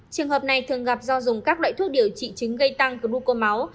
trường hợp này thường gặp do dùng các loại thuốc điều trị chứng gây tăng guco máu